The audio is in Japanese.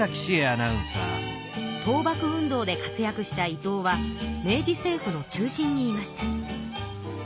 倒幕運動で活躍した伊藤は明治政府の中心にいました。